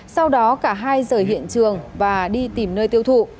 sau đó cả hai rời hiện trường và đi tìm nơi tiêu thụ